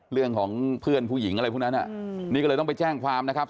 เรื่องของเพื่อนผู้หญิงอะไรพวกนั้นนี่ก็เลยต้องไปแจ้งความนะครับ